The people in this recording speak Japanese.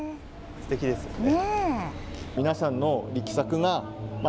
すてきですよね。